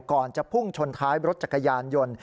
ก่อนจะพุ่งชนท้ายรถจักรยานยนต์